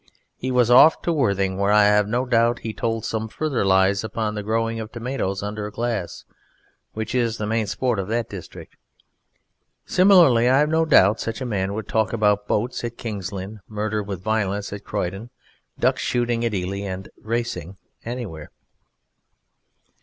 He was off to Worthing, where I have no doubt he told some further lies upon the growing of tomatoes under glass, which is the main sport of that district. Similarly, I have no doubt, such a man would talk about boats at King's Lynn, murder with violence at Croydon, duck shooting at Ely, and racing anywhere.